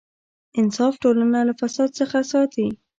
انصاف ټولنه له فساد څخه ساتي.